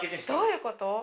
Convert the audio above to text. どういうこと？